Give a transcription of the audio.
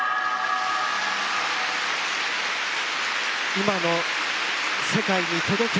今の世界に届ける